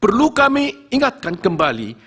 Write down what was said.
perlu kami ingatkan kembali